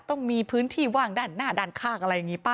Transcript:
ต้องมีพื้นที่ว่างด้านหน้าด้านข้างอะไรอย่างนี้ป่